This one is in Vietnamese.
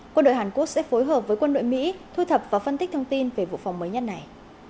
quân đội hàn quốc sẽ phối hợp với quân đội mỹ thu thập và phân tích thông tin về vụ phòng mới nhất này